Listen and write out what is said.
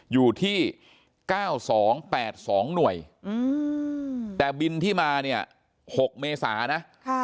อยู่ที่๙๒๘๒หน่วยแต่บินที่มาเนี่ย๖เมษานะ